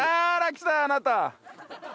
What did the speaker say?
来たあなた！